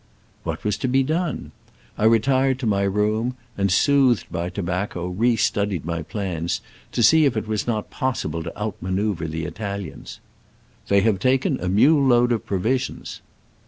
What was to be done ? I re tired to my room, and, soothed by to bacco, re studied my plans, to see if it was not possible to outmanoeuvre the Italians. "They have taken a mule load of provisions."